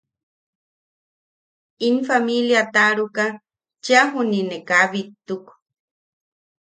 In familia taʼaruka cheʼa juniʼi ne kaa bittuk.